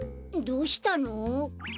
どうしたの？